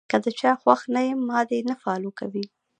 کۀ د چا خوښ نۀ يم ما دې نۀ فالو کوي -